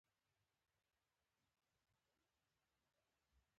کله چې باور له منځه ولاړ شي، تجارت مري.